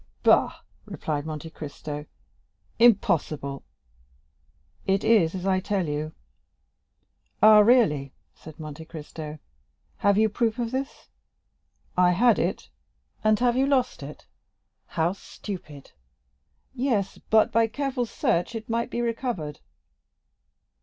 "Bah," replied Monte Cristo, "impossible!" "It is as I tell you." "Ah, really," said Monte Cristo. "Have you proof of this?" "I had it." "And you have lost it; how stupid!" "Yes; but by careful search it might be recovered."